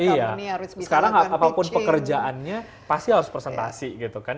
iya sekarang apapun pekerjaannya pasti harus presentasi gitu kan